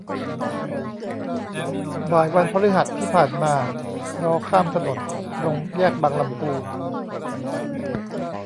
บ่ายวันพฤหัสที่ผ่านมา รอข้ามถนนตรงแยกบางลำพู